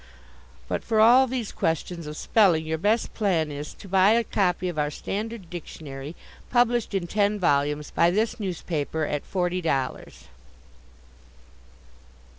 But for all these questions of spelling your best plan is to buy a copy of Our Standard Dictionary, published in ten volumes, by this newspaper, at forty dollars.